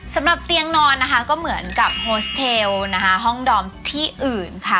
สำหรับเตียงนอนนะคะก็เหมือนกับโฮสเทลนะคะห้องดอมที่อื่นค่ะ